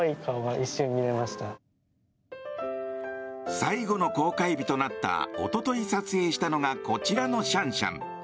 最後の公開日となったおととい撮影したのがこちらのシャンシャン。